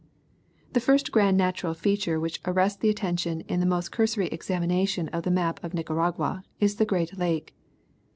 The first grand natural feature which arrests attention in the most cursory examination of the map of Nicaragua is the Great Lake.